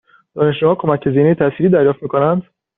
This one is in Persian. دانشجوها کمک هزینه تحصیلی دریافت می کنند؟